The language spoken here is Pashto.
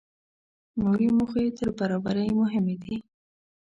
نورې موخې تر برابرۍ مهمې دي.